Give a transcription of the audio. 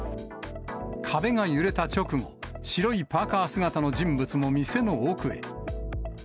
壁が揺れた直後、白いパーカー姿の人物も店の奥へ。